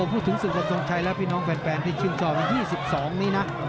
พูดถึงศึกวันทรงชัยแล้วพี่น้องแฟนที่ชื่นชอบ๒๒นี้นะ